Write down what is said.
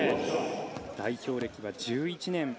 代表歴は１１年。